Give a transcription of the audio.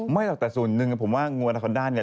ไม่ต่อแต่สูงหนึ่งผมว่างวันอาคอนด้านนี่